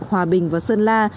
hòa bình và sơn la